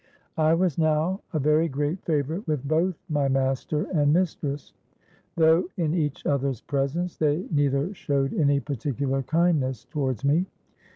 "I was now a very great favourite with both my master and mistress, though, in each other's presence, they neither showed any particular kindness towards me.